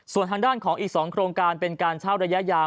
ส่วนทางด้านของอีก๒โครงการเป็นการเช่าระยะยาว